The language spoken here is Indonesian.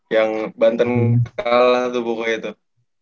yang banten kalah tuh pokoknya tuh